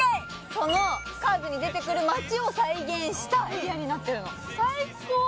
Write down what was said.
そのカーズに出てくる街を再現したエリアになってるの最高！